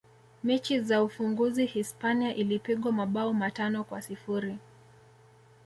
mechi za ufunguzi hispania ilipigwa mabao matano kwa sifuri